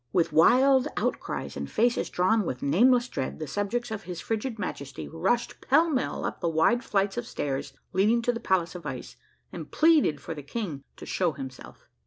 With wild outcries, and faces drawn with nameless dread, the subjects of Ins frigid Majesty rushed pell mell up the wide flights of stairs leading to the palace of ice, and pleaded for the king to show himself.